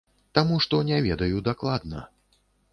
Таму, што не ведаю дакладна.